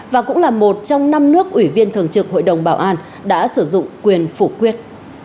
và cũng là một trong năm nước ủy viên thường trực hội đồng bảo an đã sử dụng quyền phủ quyết